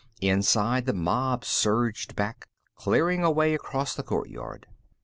Inside, the mob surged back, clearing a way across the courtyard.